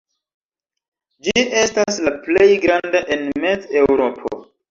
Ĝi estas la plej granda en Mez-Eŭropo.